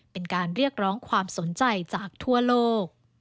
เป็นการเรียกร้องความสนใจจากทั่วโลก